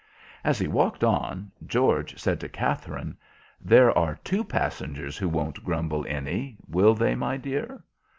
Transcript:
As he walked on, George said to Katherine, "There are two passengers who won't grumble any, will they, my dear?"